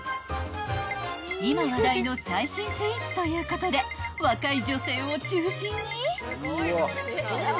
［今話題の最新スイーツということで若い女性を中心に］